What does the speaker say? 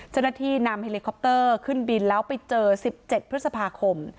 เจ้าหน้าที่นำเฮลิคอปเตอร์ขึ้นบินแล้วไปเจอ๑๗พฤษภาคม